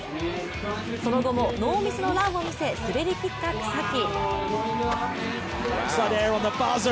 その後もノーミスのランをみせ滑りきった草木。